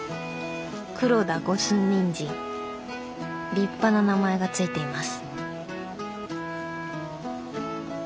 立派な名前が付いています。